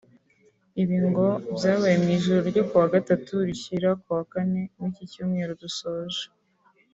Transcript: Ibi byose byabaye mu ijoro ryo kuwa gatatu rishyira kuwa kane w’iki cyumweru dusoje